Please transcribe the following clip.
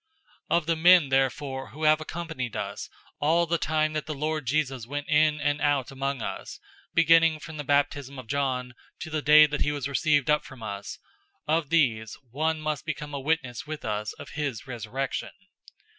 '{Psalm 109:8} 001:021 "Of the men therefore who have accompanied us all the time that the Lord Jesus went in and out among us, 001:022 beginning from the baptism of John, to the day that he was received up from us, of these one must become a witness with us of his resurrection."